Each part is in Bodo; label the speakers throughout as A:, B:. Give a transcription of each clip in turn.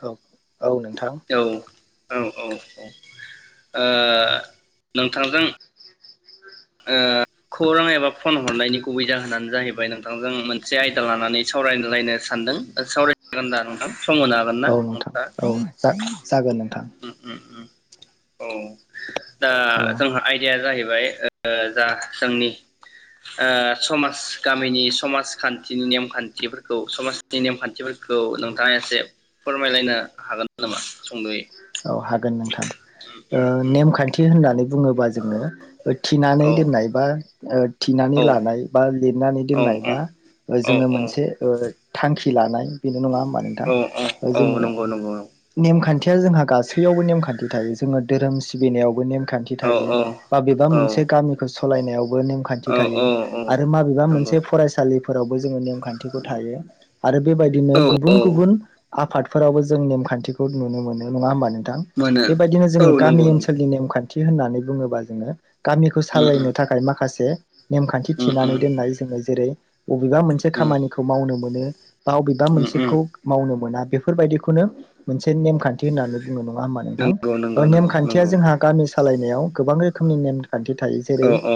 A: औ औ नोंथां
B: औ औ। औ औ ओ नोंथांजों ओ खौरां एबा फन हरनायनि गुबै जाहोनानो जाहैबाय नोंथांजों मोनसे आयदा लानानै सावरायलायनो सानदों सावरायजागोन दा नोंथां? सम होनो हागोन ना
A: औ नोंथां
B: नोंथाङा
A: औ जा-जागोन नोंथां। थां।
B: उम उम उम औ दा
A: औ
B: जोंहा आयदाया जाहै बाय ओ जा जोंनि ओ समाज गामिनि समाजखान्थिनि नेमखान्थिफोरखौ समाजनि नेमखान्थिफोरखौ नोंथाङा एसे फोरमायलायनो हागोन नामा सुंद'यै?
A: ओ हागोन नोंथां ओ
B: उम
A: नेमखान्थि होननानै बुङो बाजोंनो बै थिनानै
B: औ
A: दोननाय बा ओद थिनानै
B: औ
A: लानाय बा लिरनानै
B: औ
A: दोननाय बा
B: औ
A: जोङो
B: औ
A: मोनसे ओ थांखि खिलानाय बेनो नङा होमबा नोंथां?
B: औ
A: ओ
B: औ
A: जोङो
B: नंगौ नंगौ औ
A: नेमखान्थि जोंहाब गासैयावबो नेमखान्थि थायो जोङो धोरोम सिबिनायावबो नेम खान्थि थायो
B: औ
A: बाबेबा
B: औ
A: मोनसे गामिखौ स सलायनायाव ओं नेमखान्थि
B: औ औ
A: थायो, आरो माबेबा
B: नंगौ
A: मोनसे फरायसालि फोरावबो जोङो नेमखान्थिखौ थायो। आरो बेबायदिनो
B: औ
A: गुबुन
B: औ
A: गुबुन आफादफोरावबो जों नेमखान्थिखौ नुनो मोनो। नङा होमबानों?
B: मोनो
A: बेबायदिनो
B: औ
A: जोङो
B: नंगौ
A: गामि
B: नंगौ
A: ओनसोलनि नेमखान्थि थि होननानै बुङोबा जोङो। गामिखौ
B: उम उम
A: सालायनो थाखाय माखासे नेमखान्थि
B: उम
A: थिनानै
B: उम
A: दोननाय जोङो जेरै बबेबा मोनसे
B: उम
A: खामानिखौ मावनो मोनो। [inaudible] बावबेबा
B: उम उम
A: मोनसेखौ मावनो मोना। बेफोरबायदिखौनो मोनसे नेमखान्थि थिनानै नंआ होनबा नों थां।
B: नंगौ
A: ओ
B: नंगौ नंगौ
A: नेमखानथिआ
B: नंगौ
A: जोंहा गामि सालायनायाव गोबां रोखोमनि नेम खान्थि थायो जेरै।
B: औ औ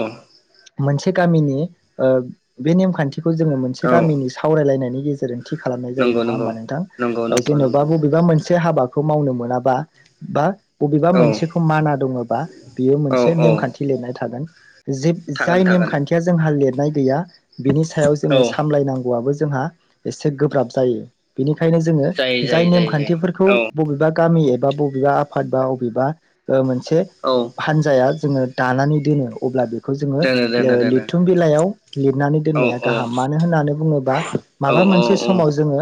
A: मोनसे गामिनि ओ बे नेमखान्थि खौ जोङो मोनसे
B: औ
A: गामिनि सावरायलायनायनि गेजेरजों थि खालामनाय जायो
B: नंगौ
A: नङा
B: नंगौ
A: होमबा नोंथां?
B: नंगौ नंगौ
A: जेन'बा
B: नंगौ
A: बबेबा मोनसे ए हाबा खौ मावनो मोनाबा बा बा बबेबा
B: औ
A: मोनसेखौ माना दङबा बियो
B: औ
A: मोनसे
B: औ
A: नेमखान्थि लिरनाय थागोन। जिब
B: थागोन
A: जाय
B: थागोन
A: नेमखान्थिया जोंहा लिर नाय गैया बिनि सायाव
B: औ
A: जोङो सामलायनांगौआबो जोंहा एसे गोब्राब जायो बिनि बखायनो जोङो
B: जायो
A: जाय
B: जायो जायो
A: नेमखान्थिफोरखौ
B: जायो औ
A: बबेबा गामि एबा बबेबा आफाद बा बबेबा ओ मोनसे मोनसे
B: औ
A: हानजाया जोङो दानानै दोनो अब्ला बे खौ जोङो
B: दोनो दोनो दोनो
A: लिरथुम बिलाइयाव लिरनानै
B: औ
A: दोननाया गाहाम,
B: औ
A: मानो होननानै बुङोबा?
B: औ
A: माबा मोनसे
B: औ औ
A: समाव जोङो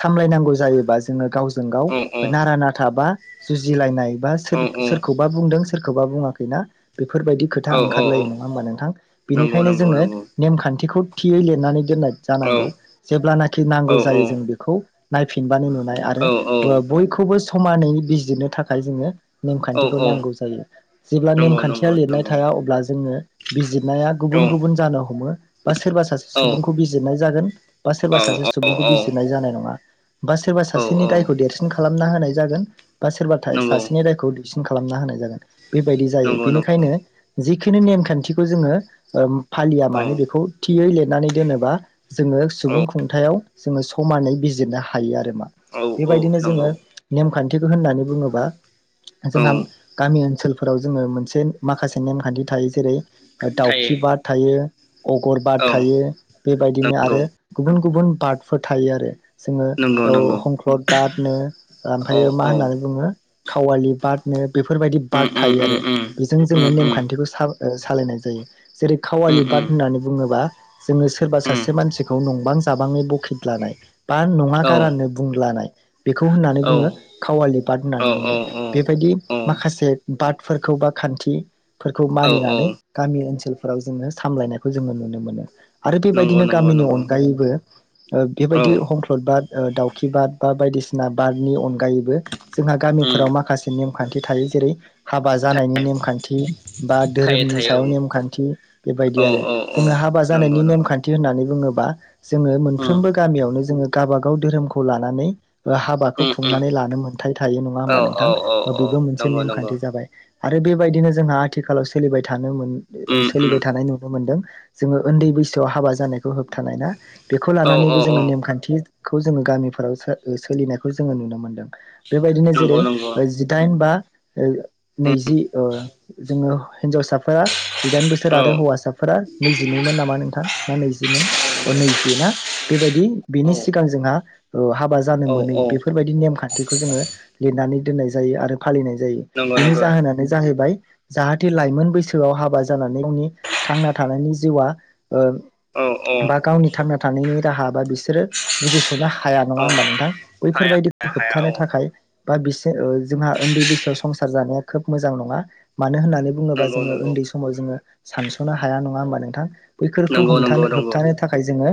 A: सामलायनांगौ। जायोबा जोङो गावसो जों गाव नारा नाथाबा जुजि लायनाय बा सोर
B: औ
A: सोरखौबा बुंदों सो सोरखौबा बुङाखै ना? बेफोरबायदि खोथा
B: औ औ
A: ओंखारलायो नङा होमबा नोंथां
B: नंगौ
A: बेनिखायनो
B: नंगौ
A: जोङो
B: नंगौ
A: नेमखान्थिखौ थियै लिरनानै दोननाय
B: औ
A: जानांगौ जेब्लानाखि नांगौ जायो जों बेखौ नायफिनबानो नुनाय
B: औ
A: आरो बय बो समानै बिजिरनो थाखाय जोङो
B: औ
A: नेमखान्थिखौ
B: औ
A: नांगौ जायो जेब्ला
B: नंगौ
A: नेमखान्थिया
B: नंगौ
A: लिरनाय
B: नंगौ
A: थाया अब्ला जोङो बिजित नाया
B: औ
A: गुबुन गुबुन जानो हमो। बा सोरबा सासे
B: औ
A: सुबुंखौ बिजिरनाय जागोन। बा सोरबा सासे
B: औ औ
A: सुबुंखौ बिजिरनाय जानाय नङा। बा सोरबा
B: औ
A: सासेनि दायखौ देरसिन खालाम खालामना होनाय जागोन। बा सोरबा थाय
B: नंगौ
A: सासेनि दायखौ फिन खालामना होनाय जागोन। बेबायदि जायो
B: नंगौ नंगौ
A: बेनिखायनो जिखिनि नेमखान्थिखौ जोङो ओम फालिया
B: औ
A: मानो बेखौ थियै ले नानै दोनोबा जोङो
B: औ
A: सुबुं खुंथायाव जोङो समानै बिजिरनो हायो आरो
B: औ औ
A: बेबायदिनो
B: नंगौ
A: जोङो नेमखान्थिखौ होननानै बुङोबा
B: औ
A: जोंहा गामि ओनसोलफोराव जोङो मोनसे माखासे नेमखान्थि थायो जेरै दाउखि
B: थायो
A: बाद थायो अगरबाद
B: औ
A: थायो बेबायदिनो
B: नंगौ
A: आरो गुबुन गु गुबुन बादफोर थायो आरो जोङो
B: नंगौ
A: औ
B: नंगौ
A: हंख्लद बादनो
B: औ
A: ओमफायो मा
B: औ
A: होननानै बुङो खावालि बारनो बेफोरबायदि
B: उम
A: बार्द
B: उम
A: थायो
B: उम
A: आरो
B: उम
A: बेजों
B: उम
A: जोङो
B: उम
A: नेमखान्थिखौ सा सालायनाय जायो। जेरै
B: उम
A: खावालि
B: उम
A: बाद होननानै बुङोबा जोङो सोरबा
B: उम
A: सासे मानसिखौ नंबां जाबांङै बखिद लानाय बा नङा
B: औ
A: गारानो बुंलानाय बेखौ होननानै
B: औ
A: बुड़ो खावालि बाद
B: औ
A: होननानै बुङो बेबायदि
B: औ
A: माखसे बाद फोरखौ बा खान्थि फोरखौ
B: औ औ
A: मानिनानै गामि ओनसोल फोराव जोङो सामलायनायखौ जोङो नुनो मोनो। आरो
B: नंगौ
A: बेबायदिनो
B: नंगौ
A: गामिनि
B: नंगौ
A: अनगायैबो
B: औ
A: बेबायदि हंख्लद बाद दाउखि बाद बा बायदिसिना सिना बाद नि अन गायैबो जोंहा
B: उम
A: गामिफोराव माखासे नेम खान्थि थायो जेरै हाबा जानायनि नेमखान्थि बा
B: थायो
A: धोरोमनि
B: थायो औ
A: सायाव नेमखान्थि बेबायदि
B: औ
A: आरो
B: औ
A: जोङो हाबा
B: नंगौ
A: जानायनि
B: नंगौ
A: नेमखान्थि होननानै बुङो बा जोङो
B: उम
A: मोनफ्रोमबो गामियावनो जोङो गावबागाव धोरोमखौ लानानै हाब
B: उम
A: खुंनानै लानो मोनथाय थायो नङा
B: औ
A: होमबा
B: औ
A: नोंथां बेबो
B: औ
A: मोनसे
B: नंगौ नंगौ
A: नेमखान्थि जाबाय। आरो बेबायदिनो जोंहा आथिखालाव सोलिबाय थानो नुनो मोन
B: उम उम
A: सोलिबाय थानाय नुनो मोन्दों जोङो उन्दै बैसोआव हाबा जानायखौ खौ होबथानाय ना बेखौ
B: औ
A: लानानैबो
B: औ
A: जोङो नेमखान्थि खौ जोङो गामिफोराव सोलिनायखौ जोङो नुनो मोनदों बेबायदिनो
B: नंगौ
A: जेरै
B: नंगौ
A: जिदाइन बा ए [unintelligible]
B: उम
A: नैजि ओ जोङो हिन्जावसाफोरा जिदाइन बोसोर
B: औ
A: आरो हौवासाफोरा नैजिनैमोन नामा नोंथां ना नैजिमोन नैजि ना बेबायदि बिनि सिगां जोंहा ओ हाबा
B: औ औ।
A: नेम खान्थिखौ जोङो लिरनानै दोननाय जायो आरो फालिनाय जायो
B: नंगौ
A: बिनि
B: नंगौ
A: जाहोनानो जाहैबाय जाहाथे लाइमोन बैसोआव हाबा जानानैनि गावनि थांना थानायनि जिउआ ओ
B: औ औ
A: बा गावनि थांना थानायनि राहा बा बिसोरो बुजिस'नो हाया नङा
B: औ
A: हबा नोंथां।
B: हाया
A: बेफोरबायदिखौ
B: हाया हाया
A: होबथानो
B: औ
A: थाखाय बा बिसोर जोंहा उन्दै बैसोआव संसार जानाया खोब मोजां नङा मानो होनना होननानै बुङोबा
B: नंगौ
A: जोङो
B: नंगौ
A: उन्दै समाव जोङो सानस'नो हाया नङा होमबा नोंथां। बैखौ
B: नंगौ नंगौ
A: हमथानो
B: नंगौ
A: होबथानो थाखाय जोङो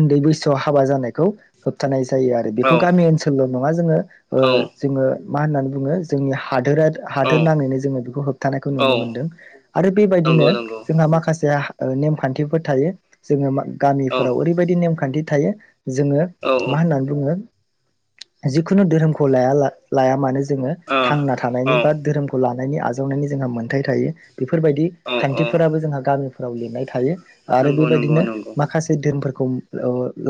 A: उन्दै बैसोआव हाबा जानायखौ होबथानाय जायो आरो
B: औ
A: बेखौ। गामि ओनसोलल' नङा जोङो ओ
B: औ
A: जोङो मा होननानै बुङो जोंनि हादोरारि हादोर
B: औ
A: नाङैनो जोङो बेखौ होबथानायखौ
B: औ
A: नुनो मोनदों आरो
B: नंगौ
A: बेबायदिनो
B: नंगौ
A: जोंहा माखासे नेमखान्थिफोर थायो जोङो
B: औ
A: गामिफोराव ओरैबायदि नेमखान्थि थायो। जोङो
B: औ ओ
A: मा होननानै बुङो जिखुनु धोरोमखौ लाया लायामानो जोङो
B: औ
A: थांना
B: औ
A: थानायनि बा धोरोमखौ लानानै नायनि आजावनायनि जोंहा मोन्थाय थायो। बेफोरबायदि
B: औ
A: खान्थिफोराबो जोंहा गामि फोराव लिरनाय थायो। आरो
B: नंगौ नंगौ
A: बेबायदिनो
B: नंगौ
A: माखासे धोरोमफोरखौ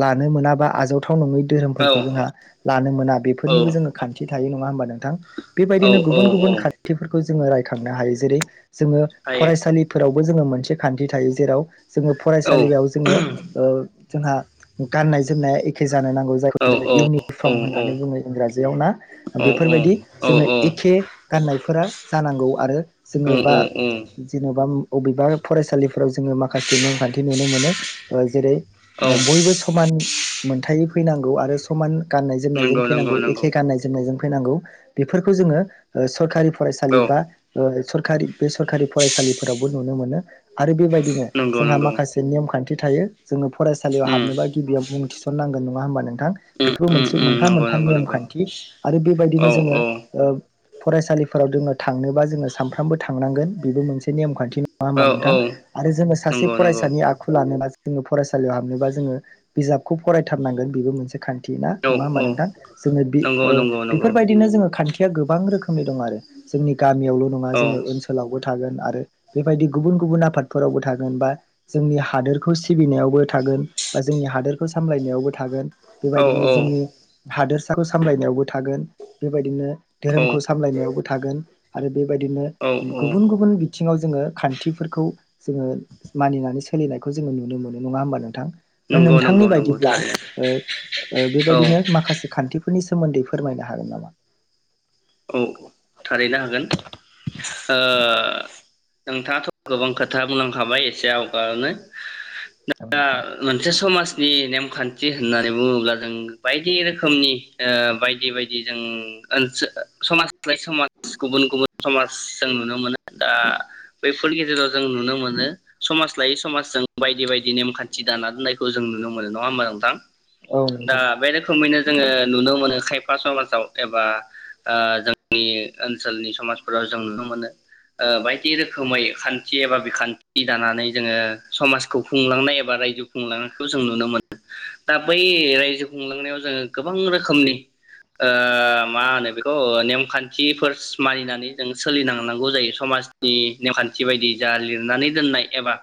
A: लानो मोनाबा आजावथाव नङै दो।
B: औ
A: जोंहा लानो मोना
B: औ
A: बेफोरनिबो जोङो खान्थि। थायो नङा होनबा नोंथां? बेबायदिनो
B: औ
A: गुबुन
B: औ
A: गुबुन खाथिफोरखौ जोङो रायखांनो हायो जेरै जोङो
B: हायो
A: फरायसालिफोराव जोङो मोनसे खान्थि थायो जेराव जोङो
B: औ
A: फरायसालियाव जोङो ओ जोंहा गाननाय जोमनाया एखे जानो नांगौ जाय
B: औ
A: जोङो
B: औ
A: इउनिफर्म होननानै बुङो इंराजियाव ना
B: औ
A: बेफोरबायदि
B: औ
A: जोङो एखे गाननायफोरा जानांगौ आरो जोङो बा जेनबा बबेबा फरायसालिफोर फोराव जोङो माखासे नेमखान्थि नुनो मोनो जेरै
B: औ
A: बयबो समान मोनथायै फैनांगौ आरो समानै गाननाय जोमनायजों
B: नंगौ नंगौ
A: फैनांगौ
B: नंगौ
A: एखे गाननाय जोमनायजों फैनांगौ बेफोरखौ जोङो
B: औ
A: फरायसालि बा सरखारि बे सरकारि फरायसालिफोरावबो नुनो मोनो आरो बेबायदि
B: नंगौ
A: जोंहा
B: नंगौ
A: माखसे नेम खान्थि थायो जोङो फरायसालियाव हाबनोबा गिबियाव मुं थिसनांगोन नङा होमबा नोंथां बेफोर मोनसे मोनफा
B: नंगौ
A: मोनफा
B: नंगौ नंगौ
A: नेमखान्थि आरो
B: औ
A: बेबायदिनो जोङो
B: औ
A: फरायसालि [inaudible] थांनोबा जोङो सानफ्रामबो थांनांगोन बेबो मोनसे नेमखान्थि नङा होमबा नोंथां आरो जोङो सासे
B: नंगौ नंगौ
A: फरायसानि आखु लानोबा जोङो फरायसालियाव हाबनोबा जोङो बिजाबखौ फरायथारनांगोन बेबो मोनसे खान्थि [inaudible] नङा हानबा नोंथां जोङो बि ओ
B: नंगौ
A: बेफोरबायदिनो जोंओ खान्थि खिआ गोबां रोखोमनि दं आरो जोंनि गामियावल नङा
B: औ
A: जोङो ओनसोलावबो थागोन आरो बेबायदि गुबुन गुबुन आफादफोरावबो थागोन बा जोंनि हादोरखौ सिबिनायावबो थागोन बा जोंनि हादोरखौ सामलायनायावबो थागोन बेबायदिनो जोंनि
B: औ
A: हादोर फिसाखौ सामलायनायावबो थागोन बेबायदिनो
B: औ
A: धोरोमखौ सामलायनायावबो थागोन आरो बेबायदिनो
B: औ
A: गुबुन गुबुन बिथिङाव जोङो खान्थिफोरखौ जोङो मानिनानै सोलिनायखौ जोङो नुनो मोनो नङा होमबा नोंथां ओ
B: नंगौ
A: नोंथांनि
B: नंगौ नंगौ
A: बायदिब्ला
B: थारैनो
A: ओ ओ
B: औ
A: बेबायदिनो माखासे खान्थि बेफोरनि सोमोन्दै फोरमायनो हागोन नामा?
B: औ थारैनो हागोन। ओ नोंथाङाथ गोबां खोथा बुंलांखाबाय एसे आवगायनो।
A: औ
B: दा
A: नोंथां
B: मोनसे समाज दि नेमखान्थि होननानै बुङोब्ला जों बायदि रोखोमनि ओ बायदि बायदि जों ओनसो समाज लाय समाज गुबुन गुबुन समाज जों नुनो मोनो दा बैफोरनि गेजेराव जों नुनो मोनो समाज समाज लायै समाजजों बायदि बायदि नेमखान्थि दाना दोननायखौ जों नुनो मोनो नङा होमबा नोंथां?
A: औ
B: दा
A: नोंथां
B: बे रोखोमैनो जोङो नुनो मोनो खायफ पास मासाव एबा ओ जोंनि ओनसोलनि समाजफोराव जों नुनो मोनो ओ बायदि रोखोमै खान्थि एबा बिखान्थि दानानै जोङो समाजखौ खुंलांनाय एबा रायजो खुंलांनायखौ जों नुनो मोनो। दा बै रायजो खुंलांनायाव जोङो गोबां रोखोमनि ओ मा होनो बे ओ नेमखान्थिफोर मानिनानै जों सोलिनो गोनां जायो। समाजनि नेमखान्थि बायदियै जा लिरनानै दोन्नाय एबा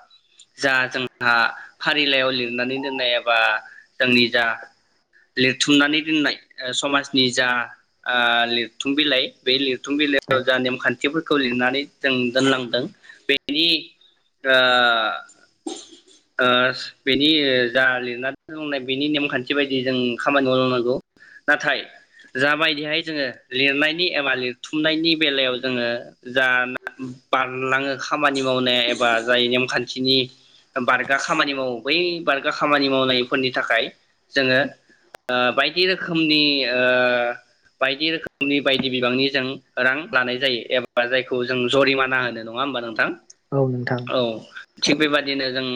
B: जा जोंहा फारिलाइआव लिरनानै दोन्नाय एबा जोंनि जा लिरथुमनानै दोन्नाय समाजनि जा ओ लिरथुम बिलाइ बे लिरथ
A: औ
B: फुंबिलेराव जा नेमखान्थिफोर। खौ लिरनानै जों दोनलांदों बेनि ओ ओ बेनि जा लिरनानै दोनांनाय बेनि नेमखान्थि बायदियै जों खामानि मावलांनांगौ नाथाय जाबायदिहाय जोङो। लिरनायनि एबा लिरथुमनायनि बेलायाव जोङो जा बारलाङो खामानि मावनाया एबा जाय नेमखान्थिनि बारगा खामानि मावो बै बारगा खामानि मावनायफोरनि थाखाय जोंङो ओ बायदि रोखोमनि ओ बायदि रोखोमनि। नि बायदि बिबांनि जों रां लानाय जायो एबा जायखौ जों जरिमाना बुङो नङा होनबा नोंथां?
A: औ नोंथां
B: औ थिग बेबादिनो। जों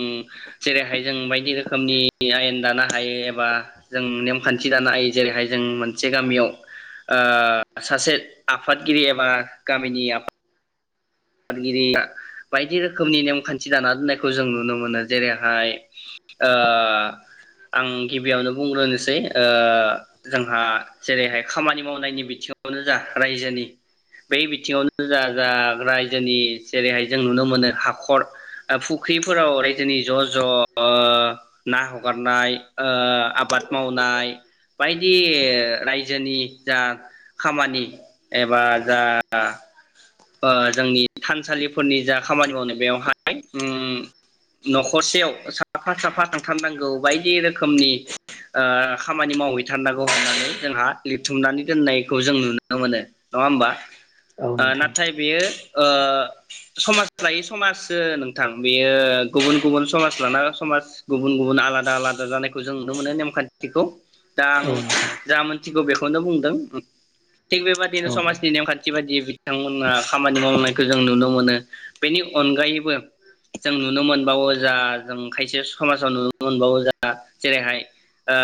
B: जेरैहाय जों बायदि रोखोमनि आयेन दानो हायो एबा जों नेमखान्थि दानो हायो जेरैहाय जों मोनसे गामियाव ओ सासे आफादगिरि एबा गामिनि आफाद। आफादगिरि बायदि रोखोमनि नेमखान्थि दाना दोननायखौ जों नुनो मोनो जेरैहाय ओ आं गिबियावनो बुंग्रोनोसै ओ जोंहा जेरैहाय खामानि मावनायनि बिथिङावनो जा रायजोनि बै बिथिङावनो जा जा राय रायजोनि जेरैहाय जों नुनो मोनो हाखर फुख्रिफोराव रायजोनि ज ज ओ ना हगारनाय ओ आबाद मावनाय बायदि रायजोनि जा खामानि एबा जा ओ जोंनि थानसालिफोरनि जा खामानि मावनो बेवहाय उ नखरसेयाव साफा साफा थांथारनांगौ बायदि रोखोमनि ओ खामानि मावहैथारनांगौ होननानै जोंहा लिरथुमनानै दोननायखौ जों नुनो मोनो। नङा होमबा?
A: औ
B: ओ
A: नोंथां।
B: नाथाय बेयो ओ समाज लायै समाजसो नोंथां बेयो गुबुन गुबुन समाज लाना समाज गुबुन गुबुन आलादा आलादा जानायखौ जों नुनो मोनो नेमखान्थिखौ। दा आं
A: औ नोंथां
B: जामोन थिखौ बेखौनो बुंदों थिग बेबादिनो
A: औ
B: समाजनि नेमखान्थि बायदि बिथांमोन। ना खामानि मावनायखौ जों नुनो मोनो बेनि अनगायैबो जों नुनो मोनबावो जा जों खायसे समाजाव नुनो मोनबावो जा जेरैहाय ओ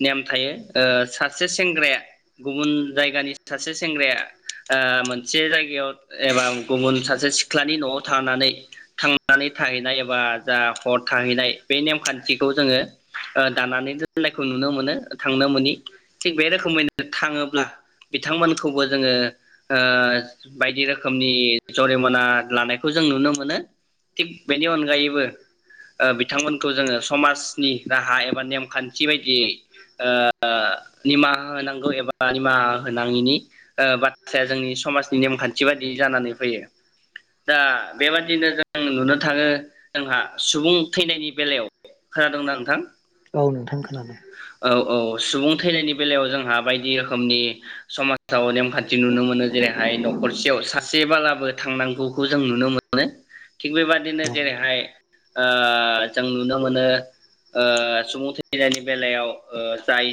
B: नेम थायो ओ सासे सेंग्राया गुबुन जायगानि सासे सेंग्राया ओ मोन मोनसे जायगायाव एबा गुबुन सासे सिख्लानि न'आव थानानै थांनानै थाहैनाय एबा जा हर थाहैनाय बे नेमखान्थिखौ जोङो ओ दानानै दोननायखौ नुनो मोनो थांनो मोनि थिग बे रोखोमैनो थाङोब्ला बिथांमोनखौबो जोङो ओ बायदि रोखोमनि जरिमना लानायखौ जों नुनो मोनो थिग बेनि अनगायैबो ओ बिथांमोनखौ जोङो समाजनि राहा एबा नेमखान्थि बायदियै ओ निमाहा होनोनांगौ एबा निमाहा होनाङिनि बाथ्राया जोंनि समाज। नेमखान्थि बादि जानानै फैयो दा बेबादिनो जों नुनो थाङो जोंहा सुबुं थैनायनि बेलायाव खोनादोंना नोंथां?
A: औ नोंथां खोनादों।
B: औ औ सुबुं थैनायनि बेलायाव जोंहा बायदि रोखोमनि समाजाव नेमखान्थि नुनो मोनो जेरै थाय न'खरसेयाव सासे बालाबो थांनांगौखौ जों नुनो मोनो थिग बेबादिनो
A: औ नोंथां
B: जेरैहाय ओ जों नुनो मोनो ओ सुबुं थैनायनि बेलायाव ओ जाय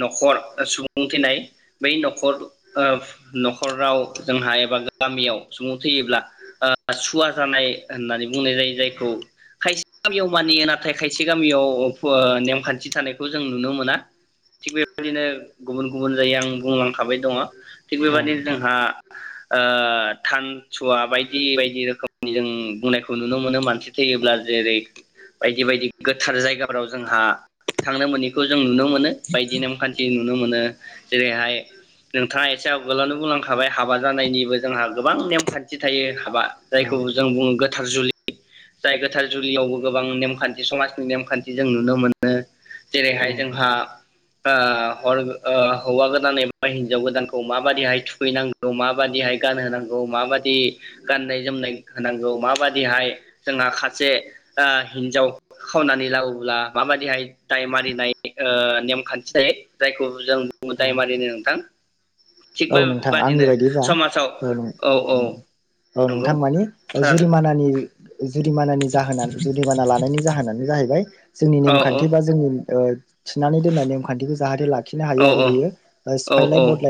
B: न'खर सुबुं थैनाय बै न'खर ओ न'खराव। जोंहा एबा गामियाव सुबुं थैयोब्ला ओ सुवा जानाय होननानै बुंनाय जायो जायखौ खायसे गामियाव मानियो नाथाय खायसे गामियाव नेमखान्थि थानायखौ जों नुनो मोना थिग बेबायदिनो गुबुन गुबुन जाय आं बुंलांखाबाय दङ थिग
A: औ
B: बेबदिनो
A: नोंथां
B: जोंहा। ओ थानसुवा बायदि बायदि रोखोमनि जों बुंनायखौ नुनो मोनो मानसि थैयोब्ला जेरै बायदि बायदि गोथार जायगाफोराव जोंहा थांनो मोनैखौ जों नुनो मोनो बायदि नेमखान्थि नुनो मोनो जेरैहाय नोंथाङा एसे आवगोलावनो बुंलांखाबाय। हाबा जानायनिबो जोंहा गोबां नेमखान्थि थायो हाबा
A: औ
B: जायखौ जों
A: नोंथां
B: बुङो गोथार जुलि जाय गोथार जुलियावबो गोबां नेमखान्थि समाजनि नेमखान्थि जों नुनो मोनो जेरैहाय
A: औ
B: जोंहा
A: नोंथां
B: ओ हौवा गोदान एबा हिनजाव गोदानखौ माबादिहाय थुखैनांगौ। गौ माबाददिहाय गानहोनांगौ माबाददि गाननाय जोमनाय होनांगौ माबाददिहाय जोंहा सासे हिनजाव खावनानै लाबोब्ला माबाददिहाय दाय मारिनाय ओ नेमखान्थि जायो जायखौ जों बुङो दाय
A: औ
B: मारिनो नोंथां।
A: औ नोंथां
B: थिगबाय
A: आंनि बायदिबा औ
B: औ
A: औ
B: नंगौ
A: नोंथां माने
B: खोनादों
A: जुरिमानानि जुरदिमानानि जाहोना जुरदिमाना लानायनि जाहोनानो जाहैबाय जोंनि
B: औ
A: नेमखान्थि बा जोंनि ओ थिनानै दोननाय नेमखान्थिखौ जाहाथे ला खिनो हायो
B: औ
A: आरो बेयो
B: औ
A: ओ
B: औ
A: सिफायलाय
B: औ
A: बदलाइ